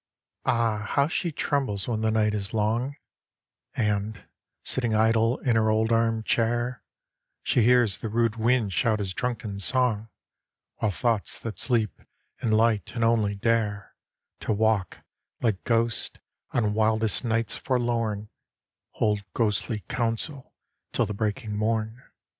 Ah ! how she trembles when the night is long; And, sitting idle in her old arm chair, She hears the rude wind shout his drunken song, While thoughts that sleep in light and only dare To walk, like ghosts, on wildest nights forlorn, Hold ghostly council till the breaking morn.